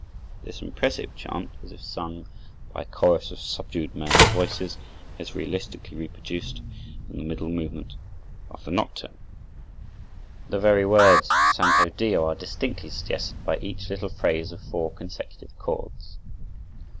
This impressive chant, as if sung by a chorus of subdued male voices, is realistically reproduced in the middle movement of the nocturne. The very words Santo Dio are distinctly suggested by each little phrase of four consecutive chords.